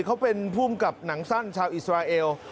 เขาเป็นภูมิกับหนังสั้นชาวอิสราเอล